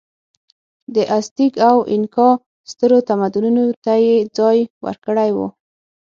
د ازتېک او اینکا سترو تمدنونو ته یې ځای ورکړی و.